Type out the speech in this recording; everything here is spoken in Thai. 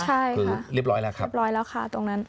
ใช่คือเรียบร้อยแล้วครับเรียบร้อยแล้วค่ะตรงนั้น